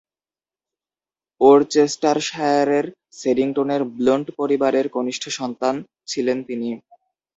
ওরচেস্টারশায়ারের সোডিংটনের ব্লুন্ট পরিবারের কনিষ্ঠ সন্তান ছিলেন তিনি।